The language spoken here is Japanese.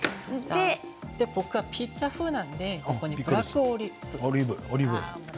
僕はピザ風なのでここにブラックオリーブ。